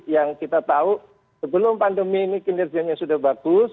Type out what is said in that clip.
yang kita tahu sebelum pandemi ini kinerjanya sudah bagus